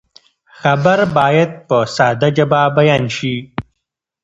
خبر باید په ساده ژبه بیان شي.